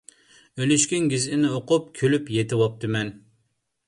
ئۈلۈشكۈن گېزىتنى ئوقۇپ كۈلۈپ يېتىۋاپتىمەن.